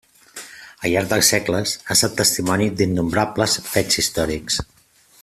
Al llarg dels segles ha estat testimoni d'innombrables fets històrics.